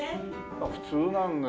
あっ普通なんだ。